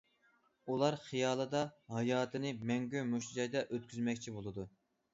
ئۇلار خىيالىدا ھاياتىنى مەڭگۈ مۇشۇ جايدا ئۆتكۈزمەكچى بولىدۇ.